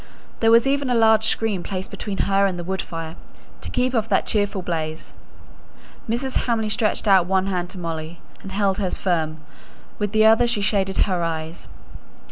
There was even a large screen placed between her and the wood fire, to keep off that cheerful blaze. Mrs. Hamley stretched out one hand to Molly, and held hers firm; with the other she shaded her eyes.